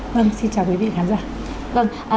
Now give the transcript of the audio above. vâng xin chào quý vị khán giả